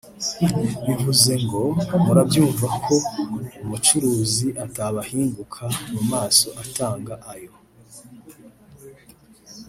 Bivuze ngo murabyumva ko umucuruzi atabahinguka mu maso atanga ayo